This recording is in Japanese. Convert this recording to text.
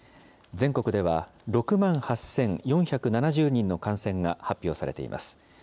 全国では、６万８４７０人の感染が発表されています。